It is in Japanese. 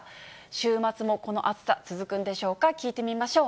週末もこの暑さ、続くんでしょうか、聞いてみましょう。